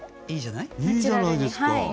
いいじゃないですか。